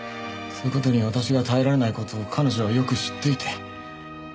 そういう事に私が耐えられない事を彼女はよく知っていて。